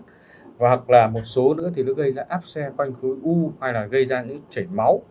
hoặc là một số nữa thì nó gây ra áp xe quanh khối u hay là gây ra những chảy máu